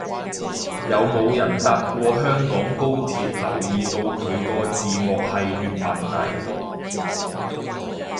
有冇人搭過香港高鐵留意到佢個字幕係粵文嚟